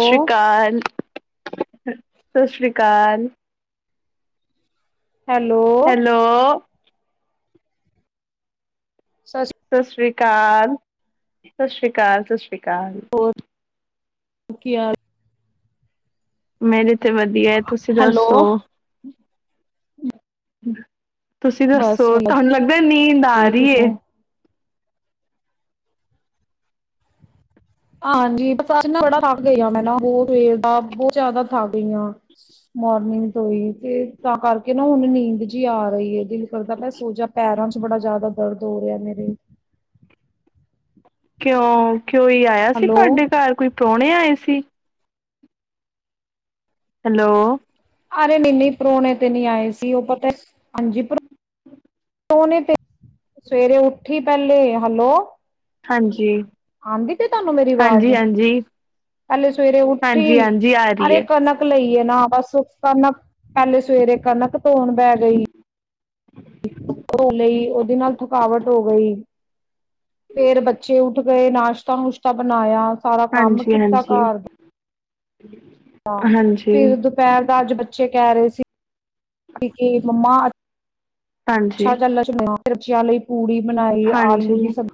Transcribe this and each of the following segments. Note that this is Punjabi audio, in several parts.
ਸਤਿ ਹੋ ਸ਼੍ਰੀ ਅਕਾਲ। ਸਤਿ ਸ੍ਰੀ ਅਕਾਲ। Hello hello. ਸਤਿ ਸ਼੍ਰੀ ਕਾਲ, ਸਤਿ ਸ਼੍ਰੀ ਅਕਾਲ, ਸਤਿ ਸ਼੍ਰੀ ਕਾਲ। ਹੋਰ ਕੀ ਹਾਲ? ਮੈ ਨੀ ਤੇ ਵਧੀਆ ਏ ਤੁਸੀਂ ਹੈਲੋ ਦੱਸੋ? ਹਮ। ਤੁਸੀਂ ਬਸ ਦੱਸੋ ਵਧੀਆ ਤੁਹਾਨੂੰ ਲੱਗਦਾ ਨੀਂਦ ਆ ਜੀ ਰਹੀ ਤੁਸੀਂ ਐ? ਸੁਣਾਓ? ਹਾਂਜੀ ਪ੍ਰ ਬੜਾ ਥੱਕ ਗਈ ਮ ਨਾ ਬਤ ਵ ਦਾ ਬਹੁਤ ਜਿਆਦਾ ਥਕ ਗਈ ਮੋਰਨਿੰਗ ਤੋਂ ਹੀ ਫਿਰ ਤਾਂ ਕਰਕੇ ਨਾ ਹੁਣ ਨੀਂਦ ਚ ਆ ਰਹੀ ਐ, ਦਿਲ ਕਰਦਾ ਬਸ ਸੋ ਜਾ ਪੈਰਾਂ ਚ ਬੜਾ ਜ਼ਿਆਦਾ ਦਰਦ ਹੋ ਰਿਹਾ ਮੇਰੇ। ਕਿਉਂ? ਕਿਕੋਈ ਆਇਆ ਸੀ ਹੈਲੋ ਤੁਹਾਡੇ ਘਰ ਕੋਈ ਪ੍ਰਾਹੁਣਾ ਣੇ ਆਏ ਸੀ। ਹੈਲੋ ਅਰੇ ਨੀਂ, ਨੀਂ ਪ੍ਰੌਣੇ ਤੇ ਨ੍ਹੀਂ ਆਏ ਸੀ ਉਹ ਪਤਾ ਹਾਂਜੀ। ਪ੍ਰੋਨੇ ਤੇ ਸਵੇਰੇ ਉੱਠੀ ਪਹਿਲੇ, ਹੈਲੋ ਹਾਂਜੀ ਆਉਂਦੀ ਤੇ ਤੁਹਾਨੂੰ ਮੇਰੀ ਆਵਾਜ਼, ਹਾਂਜੀ, ਹਾਂਜੀ, ਪਹਿਲੇ ਸਵੇਰੇ ਉੱਠੀ ਹਾਂਜੀ, ਹਾਂਜੀ ਆ ਰਹੀ ਅਰੇ ਏ। ਕਣਕ ਲਈਏ ਨਾ ਬਸ ਕਣਕ ਪਹਿਲੇ ਸਵੇਰੇ ਕਣਕ ਧੋਣ ਬਹਿ ਗਈ ਧੋ ਲਈ ਉਹਦੇ ਨਾਲ ਥਕਾਵਟ ਹੋ ਗਈ, ਫੇਰ ਬੱਚੇ ਉੱਠ ਗਏ ਨਾਸ਼ਤਾ ਨੁਸ਼ਤਾ ਬਣਾਇਆ। ਸਾਰਾ ਕੰਮ ਹਾਂਜੀ, ਕੀਤਾ ਹਾਂਜੀ, ਘਰ ਦਾ ਹਹ ਫੇਰ ਹਾਂਜੀ, ਦੁਪਹਿਰ ਦਾ ਅੱਜ ਬੱ ਚੇ ਕਹਿ ਰਹੇ ਸੀ ਮੰਮਾ, ਅੱਛਾ ਹਾਂਜੀ, ਚੱਲ ਬੱਚਿਆਂ ਲਈ ਪੂੜੀ ਬਣਾਈ ਆਲੂ ਦੀ ਹਾਂਜੀ। ਸਬਜ਼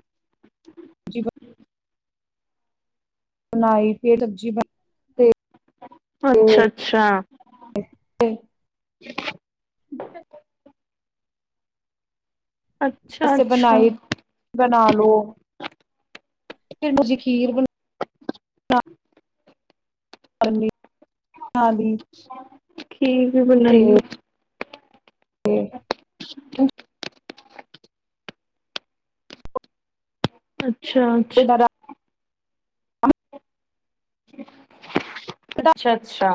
[inaudible] ਬਣਾਈ ਫਿਰ ਸਬਜ਼ੀ ਅੱਛਾ ਅੱਛਾ ਅੱਛਾ, ਅਸੀਂ ਅੱਛਾ, ਬਣਾਈ ਬਣਾ ਲੋ ਫਿਰ ਤੁਸੀਂ ਖੀਰ ਬਣਾ ਹਾਂਜੀ। ਹਾਂ ਵੀ ਠੀਕ ਬੁਣਾਈਏ ਤੇ [unintelligible] ਅੱਛ ਅੱਛਾਛ ਅੱਛਾ ਅੱਛਾ।